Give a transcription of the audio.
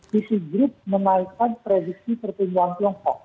kisih grup menaikkan kredisi pertunjuan tiongkok